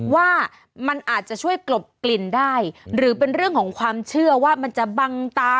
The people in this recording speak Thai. ว่ามันอาจจะช่วยกลบกลิ่นได้หรือเป็นเรื่องของความเชื่อว่ามันจะบังตา